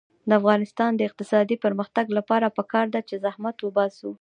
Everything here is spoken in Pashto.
د افغانستان د اقتصادي پرمختګ لپاره پکار ده چې زحمت وباسو.